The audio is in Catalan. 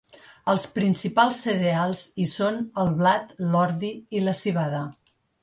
Els principals cereals hi són el blat, l'ordi i la civada.